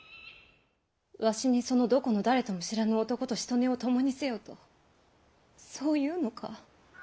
わしにそのどこの誰とも知らぬ男としとねを共にせよとそう言うのか？